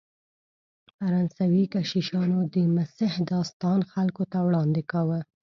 فرانسوي کشیشانو د مسیح داستان خلکو ته وړاندې کاوه.